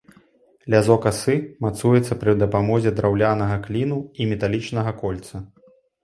Лязо касы мацуецца пры дапамозе драўлянага кліну і металічнага кольца.